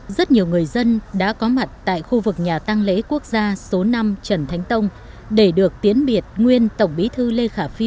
rất nhiều người dân đã có mặt tại khu vực nhà tăng lễ quốc gia số năm trần thánh tông để được tiến biệt nguyên tổng bí thư lê khả phi